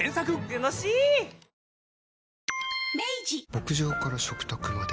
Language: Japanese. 牧場から食卓まで。